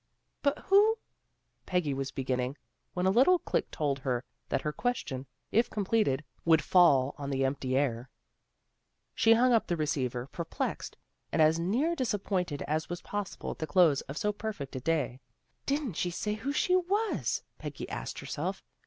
" But who ' Peggy was beginning, when a little click told her that her question, if com pleted, would fall on the empty air. She hung up the receiver, perplexed and as near disap pointed as was possible at the close of so perfect a day. " Why didn't she say who she was? " Peggy asked herself.